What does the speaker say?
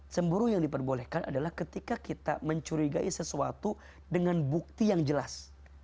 cemburu yang diperbolehkan adalah ketika kita mencurigai sesuatu dengan bukti yang jelas